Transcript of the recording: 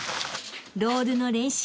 ［ロールの練習